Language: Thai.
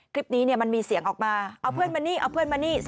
คลิปนี้เนี่ยมันมีเสียงออกมาเอาเพื่อนมานี่เอาเพื่อนมานี่